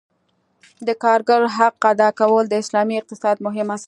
د کارګر حق ادا کول د اسلامي اقتصاد مهم اصل دی.